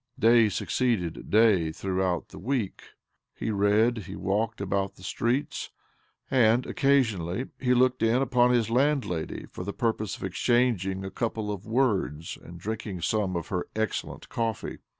Day succeeded day throughout the week. He read, he walked about the streets, and, occasionally, he looked in upon his landlady for the purpose of exchanging a couple of words and drinking some of her excellent coffee.